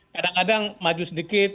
kadang kadang maju sedikit